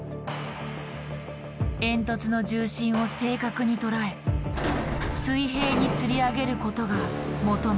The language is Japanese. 煙突の重心を正確に捉え水平につり上げることが求められる。